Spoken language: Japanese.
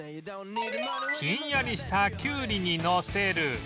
ひんやりしたキュウリにのせる